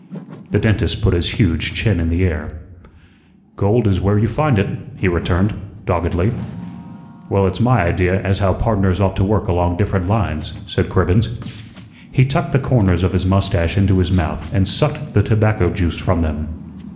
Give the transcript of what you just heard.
The dentist put his huge chin in the air. "Gold is where you find it," he returned, doggedly. "Well, it's my idea as how pardners ought to work along different lines," said Cribbens. He tucked the corners of his mustache into his mouth and sucked the tobacco juice from them.